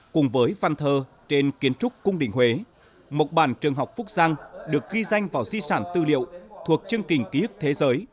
cùng với văn thơ trên kiến trúc cung đình huế mộc bản trường học phúc giang được ghi danh vào di sản tư liệu thuộc chương trình ký ức thế giới